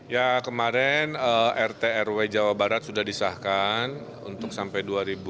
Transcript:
ya kemarin rt rw jawa barat sudah disahkan untuk sampai dua ribu dua puluh